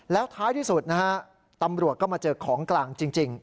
แล้วท้ายที่สุดนะฮะตำรวจก็มาเจอของกลางจริง